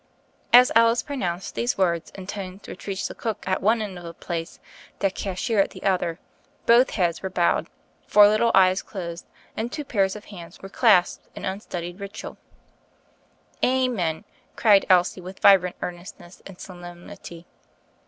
As Alice pronounced these words in tones which reached the cook at one end of the place and the cashier at the other, both heads were bowed, four little eyes closed and two pairs of hands were clasped in unstudied ritual. "Amen," cried Elsie, with vibrant earnestness and solemnity.